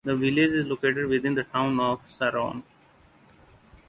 The village is located within the Town of Sharon.